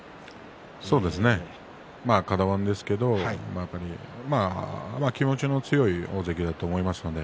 そうですねカド番ですけど気持ちの強い大関だと思いますので